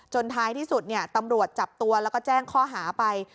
ท้ายที่สุดตำรวจจับตัวแล้วก็แจ้งข้อหาไป